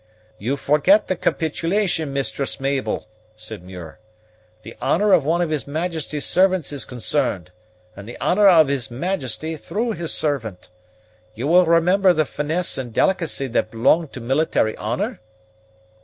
"You forget the capitulation, Mistress Mabel," said Muir; "the honor of one of his Majesty's servants is concerned, and the honor of his Majesty through his servant. You will remember the finesse and delicacy that belong to military honor?"